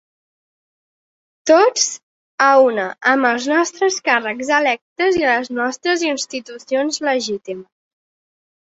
Tots a una amb els nostres càrrecs electes i les nostres institucions legitimes.